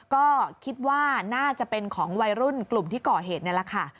ก็คิดว่าน่าจะเป็นของวัยรุ่นกลุ่มที่ก่อเหตุนี่แหละค่ะ